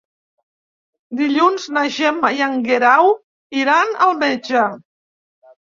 Dilluns na Gemma i en Guerau iran al metge.